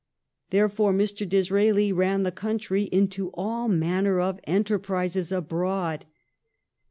Therefore Mr. Disraeli ran the country into all manner of enterprises abroad.